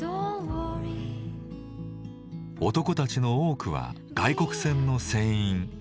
男たちの多くは外国船の船員。